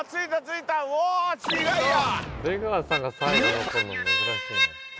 出川さんが最後に残るの珍しいな。